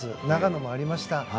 長野もありました。